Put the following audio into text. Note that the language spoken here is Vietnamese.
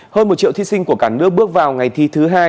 hơn một triệu thí sinh của cả nước bước vào ngày thi thứ hai